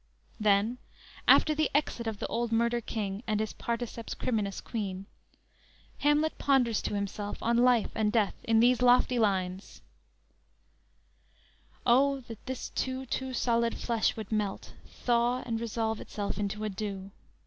"_ Then, after the exit of the old murder king and his particeps criminis queen Hamlet ponders to himself on life and death in these lofty lines: _"O, that this too, too solid flesh would melt, Thaw and resolve itself into a dew!